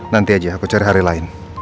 nanti aja aku cari hari lain